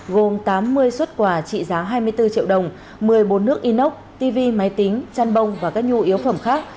gồm tám mươi xuất quà trị giá hai mươi bốn triệu đồng một mươi bồn nước inox tv máy tính chăn bông và các nhu yếu phẩm khác